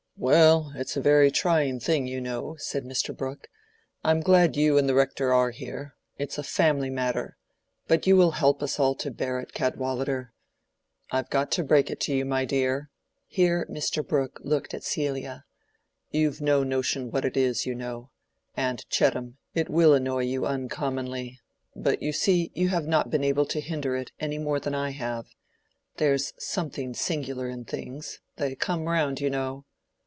"Well, it's a very trying thing, you know," said Mr. Brooke. "I'm glad you and the Rector are here; it's a family matter—but you will help us all to bear it, Cadwallader. I've got to break it to you, my dear." Here Mr. Brooke looked at Celia—"You've no notion what it is, you know. And, Chettam, it will annoy you uncommonly—but, you see, you have not been able to hinder it, any more than I have. There's something singular in things: they come round, you know."